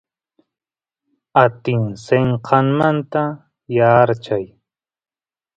atin senqanmanta yaarchay